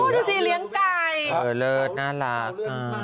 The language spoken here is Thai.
โอ๊ยดูสิเลี้ยงไก่โอ๊ยเลยส์น่ารัก